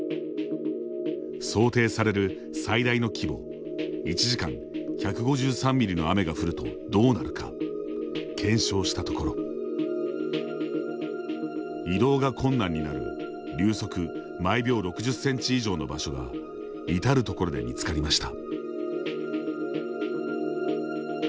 想定される最大の規模１時間１５３ミリの雨が降るとどうなるか検証したところ移動が困難になる流速毎秒６０センチ以上の場所がいたるところで見つかりました。